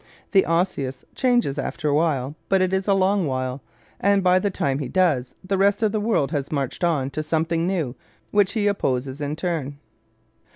The Osseous changes after a while, but it is a long while, and by the time he does, the rest of the world has marched on to something new which he opposes in its turn.